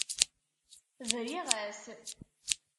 Briɣ-as.